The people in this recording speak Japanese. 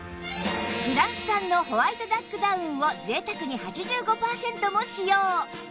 フランス産のホワイトダックダウンを贅沢に８５パーセントも使用